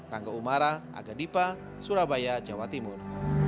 rangga umara aga dipa surabaya jawa timur